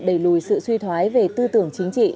đẩy lùi sự suy thoái về tư tưởng chính trị